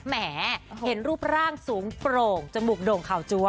แหมเห็นรูปร่างสูงโปร่งจมูกโด่งข่าวจัว